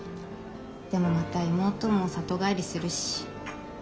でもまた妹も里帰りするし。